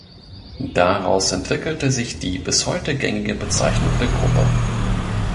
Daraus entwickelte sich die bis heute gängige Bezeichnung der Gruppe.